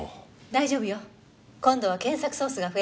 大丈夫よ。今度は検索ソースが増えるから。